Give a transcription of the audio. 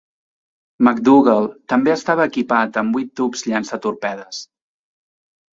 "McDougal" també estava equipat amb vuit tubs llançatorpedes.